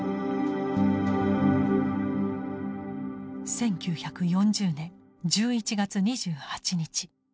１９４０年１１月２８日。